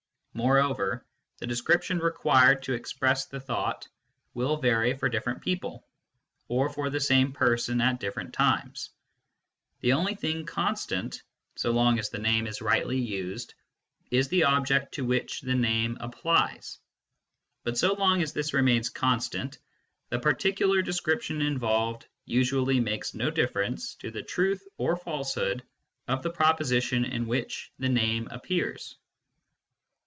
Moreover, the description required to express the thought will vary for different people, or for the same person at different times. The only thing constant (so long as the name is rightly used) is _the object to which the name applies. But so long as this remains constant, the particular description involved usually makes no difference to the truth or falsehood of the pro position in which the name appears.